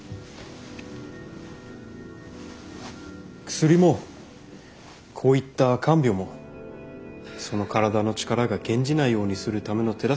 薬もこういった看病もその体の力が減じないようにするための手助けしかできないんです。